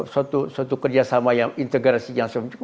suatu kerjasama yang integrasi yang sempurna